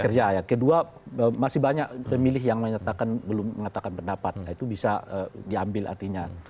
kerja ya kedua masih banyak pemilih yang menyatakan belum mengatakan pendapat itu bisa diambil artinya